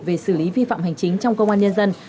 về xử lý vi phạm hành chính trong công an nhân dân